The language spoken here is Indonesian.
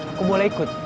aku boleh ikut